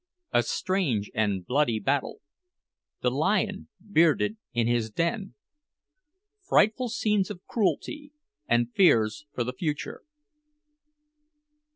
A STRANGE AND BLOODY BATTLE THE LION BEARDED IN HIS DEN FRIGHTFUL SCENES OF CRUELTY, AND FEARS FOR THE FUTURE.